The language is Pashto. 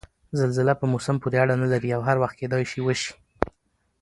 زلزله په موسم پورې اړنه نلري او هر وخت کېدای شي وشي؟